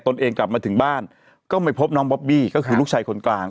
เองกลับมาถึงบ้านก็ไม่พบน้องบอบบี้ก็คือลูกชายคนกลาง